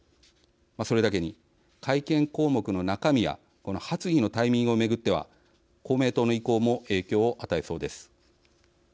それだけに、改憲項目の中身やこの発議のタイミングを巡っては公明党の意向も影響を与えそうです。